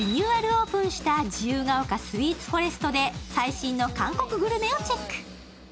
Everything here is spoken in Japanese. オープンした自由が丘スイーツフォレストで最新の韓国グルメをチェック。